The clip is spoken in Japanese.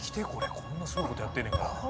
こんなすごいことやってんねんから。